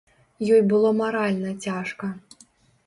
Ёй было маральна цяжка.